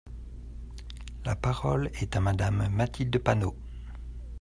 La parole est à Madame Mathilde Panot.